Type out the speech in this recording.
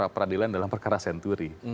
peradilan dalam perkara senturi